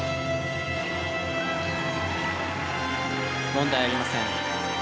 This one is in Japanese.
問題ありません。